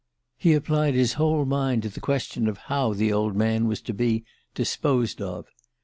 He applied his whole mind to the question of how the old man was to be "disposed of."